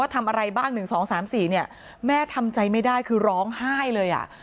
ว่าทำอะไรบ้างหนึ่งสองสามสี่เนี้ยแม่ทำใจไม่ได้คือร้องไห้เลยอ่ะ